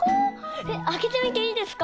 えっあけてみていいですか？